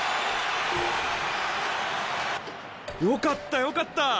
よかったよかった！